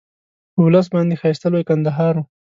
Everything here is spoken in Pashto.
په ولس باندې ښایسته لوی کندهار وو.